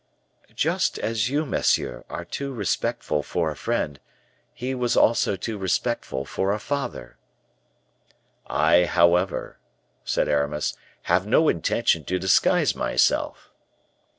"Just as you, monsieur, are too respectful for a friend, he was also too respectful for a father." "I, however," said Aramis, "have no intention to disguise myself."